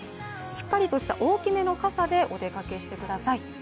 しっかりとした大きめの傘でお出かけしてください。